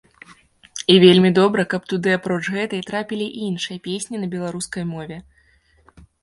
І вельмі добра, каб туды апроч гэтай, трапілі і іншыя песні на беларускай мове.